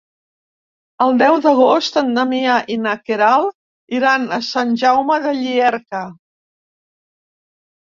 El deu d'agost en Damià i na Queralt iran a Sant Jaume de Llierca.